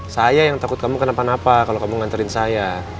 saya yang takut kamu kenapa napa kalau kamu nganterin saya